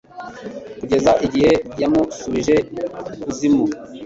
kugeza igihe yamusubije ikuzimu